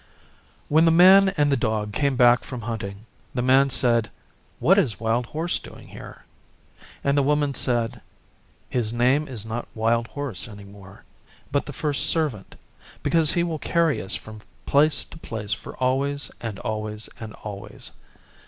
When the Man and the Dog came back from hunting, the Man said, 'What is Wild Horse doing here?' And the Woman said, 'His name is not Wild Horse any more, but the First Servant, because he will carry us from place to place for always and always and always.